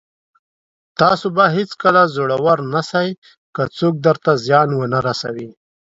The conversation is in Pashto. تاسو به هېڅکله زړور نسٸ، که څوک درته زيان ونه رسوي.